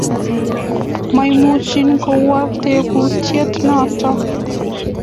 Maimuch kowal tebut noto